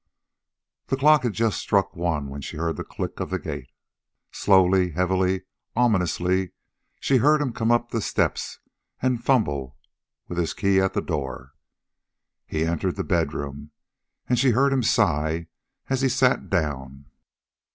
The clock had just struck one, when she heard the click of the gate. Slowly, heavily, ominously, she heard him come up the steps and fumble with his key at the door. He entered the bedroom, and she heard him sigh as he sat down.